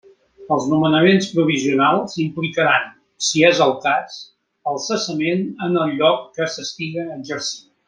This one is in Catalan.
Els nomenaments provisionals implicaran, si és el cas, el cessament en el lloc que s'estiga exercint.